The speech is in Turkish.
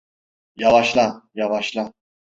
Yavaşla, yavaşla.